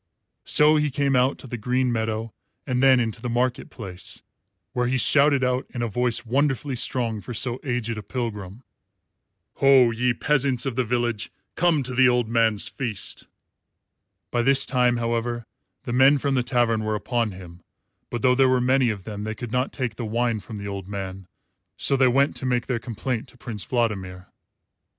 So he came out to the green meadow and then into the market place, where he shouted out, in a voice wonderfully strong for so aged a pilgrim, "Ho, ye peasants of the village, come to the old man's feast." By this time, however, the men from the tavern were upon him; but though there were many of them they could not take the wine from the old man, so they went to make their complaint to Prince Vladimir.